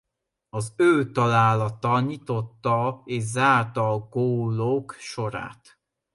Az ő találata nyitotta és zárta a gólok sorát.